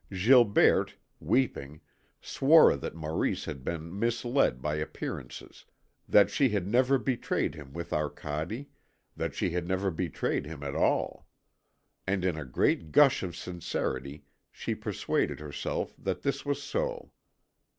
Gilberte, weeping, swore that Maurice had been misled by appearances, that she had never betrayed him with Arcade, that she had never betrayed him at all. And in a great gush of sincerity she persuaded herself that this was so.